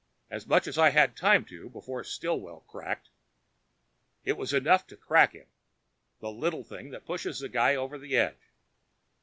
As much as I had time to, before Stillwell cracked. It was enough to crack him the little thing that pushes a guy over the edge.